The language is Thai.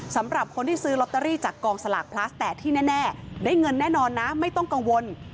สำหรับคนที่ซื้อลอตเตอรี่จากกองสลากพลัสแต่ที่แน่ได้เงินแน่นอนนะไม่ต้องกังวล